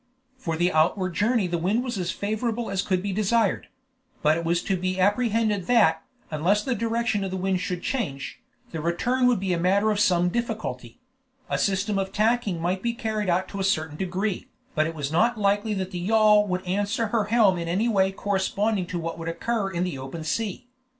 For the outward journey the wind was as favorable as could be desired; but it was to be apprehended that, unless the direction of the wind should change, the return would be a matter of some difficulty; a system of tacking might be carried out to a certain degree, but it was not likely that the yawl would answer her helm in any way corresponding to what would occur in the open sea.